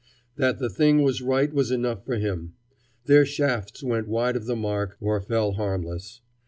That the thing was right was enough for him. Their shafts went wide of the mark, or fell harmless.